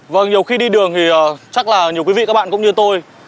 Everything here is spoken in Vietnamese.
vâng nhiều khi đi đường thì chắc là nhiều quý vị các bạn cũng như tôi